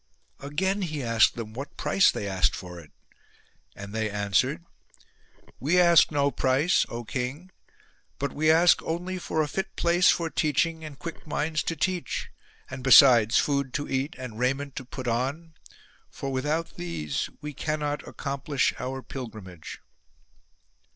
Again he asked them what price they asked for it ; and they answered, " We ask no price, O king ; but we ask only for a fit place for teaching and quick minds to teach ; and besides food to eat and raiment to put on, for without these we cannot accomplish our pilgrimage."